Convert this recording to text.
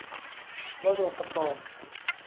วโรปกรณ์